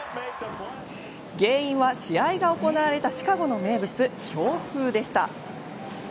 原因は試合が行われたシカゴの名物、強風でした。